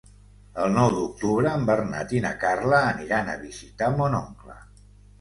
El nou d'octubre en Bernat i na Carla aniran a visitar mon oncle.